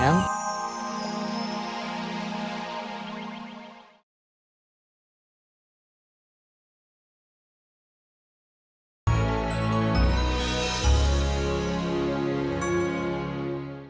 kamu ngerasa jatuh